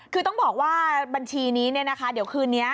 คือต้องบอกว่าบัญชีนี้เดี๋ยวคืนนี้